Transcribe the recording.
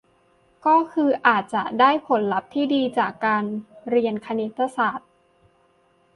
ก็คืออาจจะได้ผลลัพธ์ที่ดีจากการเรียนคณิตศาสตร์